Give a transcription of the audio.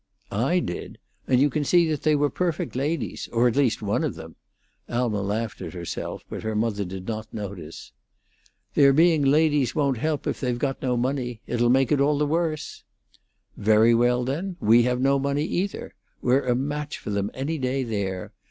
"I did. And you can see that they were perfect ladies; or at least one of them." Alma laughed at herself, but her mother did not notice. "Their being ladies won't help if they've got no money. It'll make it all the worse." "Very well, then; we have no money, either. We're a match for them any day there.